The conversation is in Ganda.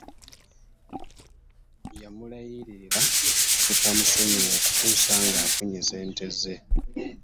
Yamulayirira obutamwesonyiwa okutuusa nga afunye ssenteze.